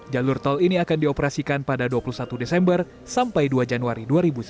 jalur tol ini akan dioperasikan pada dua puluh satu desember sampai dua januari dua ribu sembilan belas